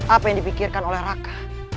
apa yang dipikirkan oleh raka